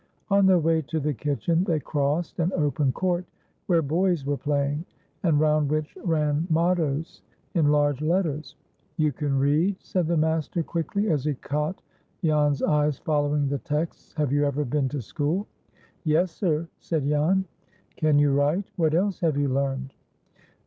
On their way to the kitchen, they crossed an open court where boys were playing, and round which ran mottoes in large letters. "You can read?" said the master, quickly, as he caught Jan's eyes following the texts. "Have you ever been to school?" "Yes, sir," said Jan. "Can you write? What else have you learned?"